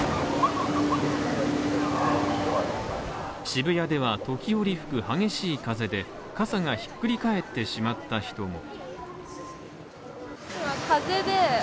渋谷では、時折吹く激しい風で傘がひっくり返ってしまった人も。